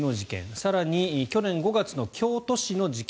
更に去年５月の京都市の事件